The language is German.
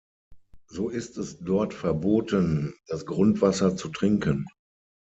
So ist es dort verboten, das Grundwasser zu trinken.